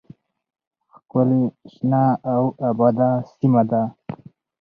، ښکلې، شنه او آباده سیمه ده.